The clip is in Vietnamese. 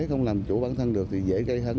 không làm chủ bản thân được thì dễ gây hn